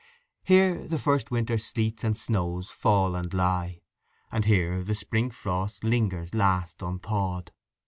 Here the first winter sleets and snows fall and lie, and here the spring frost lingers last unthawed.